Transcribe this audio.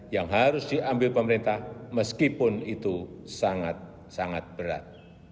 yang harus diambil pemerintah meskipun itu sangat sangat berat